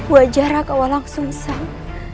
wajah raden walang sung sang